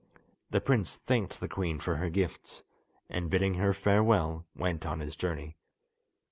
The prince thanked the queen for her gifts, and, bidding her farewell, went on his journey.